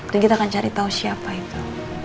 dan kita akan cari tahu siapa itu